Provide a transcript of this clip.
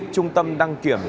trung tâm đăng kiểm